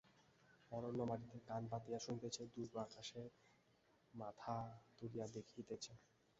অরণ্য মাটিতে কান পাতিয়া শুনিতেছে, দুর্গ আকাশে মাথা তুলিয়া দেখিতেছে।